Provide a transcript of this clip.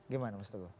gimana mas teguh